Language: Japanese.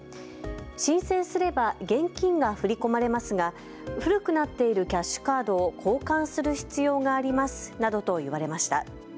申請すれば現金が振り込まれますが古くなっているキャッシュカードを交換する必要がありますなどと言われました。